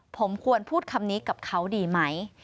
ผมควรพูดคำนี้กับเขาดีไหม